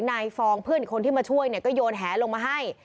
นายฟองเพื่อนคนที่มาช่วยก็โยนแหลลงมาให้